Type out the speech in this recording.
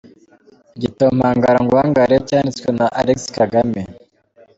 Igitabo mpagara nguhagare cyanditswe na alegisi kagame.